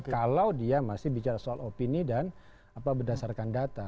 kalau dia masih bicara soal opini dan berdasarkan data